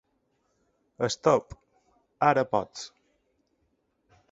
Stop! Ara pots.